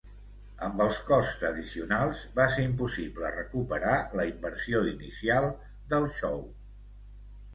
Amb els costs addicionals, va ser impossible recuperar la inversió inicial del show.